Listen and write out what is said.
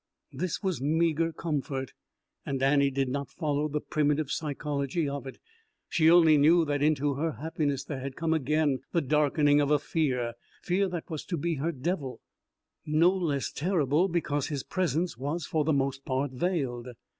This was meagre comfort, and Annie did not follow the primitive psychology of it. She only knew that into her happiness there had come again the darkening of a fear, fear that was to be her devil, no less terrible because his presence was for the most part veiled.